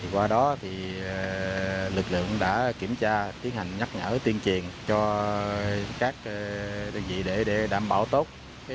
qua đó thì lực lượng đã kiểm tra tiến hành nhắc nhở tuyên truyền cho các đơn vị để đảm bảo tốt